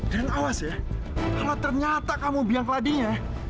dan awas ya kalo ternyata kamu biang beladinya